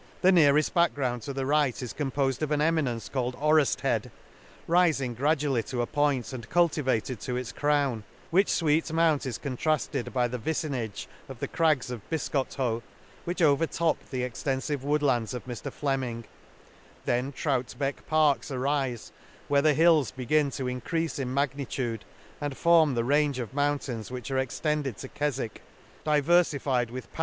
— The ireareft back ground to the right is com pofed of an eminence called Orrest head, rifing gradually to a point, and cultivated to its crown, which fweet mount is contrafted by the vicinage of the crags of Biscot hoe, which overtop the extenfive wood lands of Mr Fleming; — then Troutbeck Parks arife where the hills begin to encreale in magnitude, and form the range of mountains which are extended to Kefwick, diverged with pal the L a K £ s.